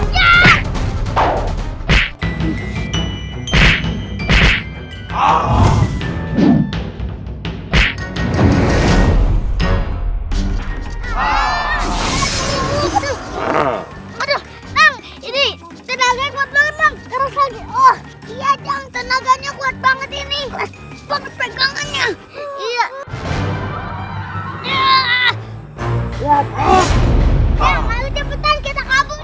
jangan lalu cepetan kita kabur jangan